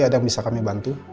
ada yang bisa kami bantu